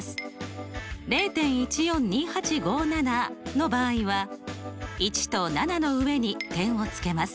０．１４２８５７の場合は１と７の上に点を付けます。